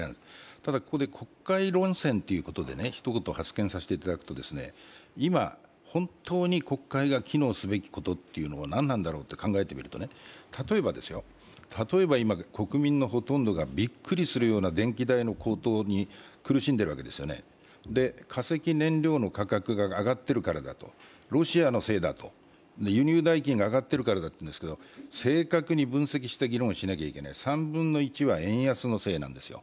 ただ、ここで国会論戦ということで一言発言させていただくと、今、本当に国会が機能すべきことはなになんだろうと考えてみれば、例えば今、国民のほとんどがびっくりするような電気代の高騰に苦しんでいるんですよ、化石燃料の価格が上がっているかだ、ロシアのせいだと、輸入代金が上っているからだというんですけど、正確に分析して議論しなきゃいけない、３分の１は円安のせいなんですよ。